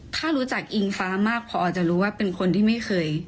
ถ้ารู้จักอิงฟ้ามากพอจะรู้ว่าเป็นคนที่ไม่เคย